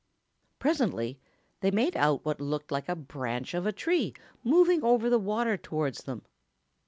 Presently they made out what looked like the branch of a tree moving over the water towards them.